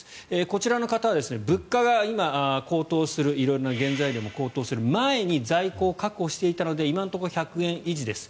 こちらの方は物価が今、高騰する色々な原材料も高騰する前に在庫を確保していたので今のところ１００円維持です。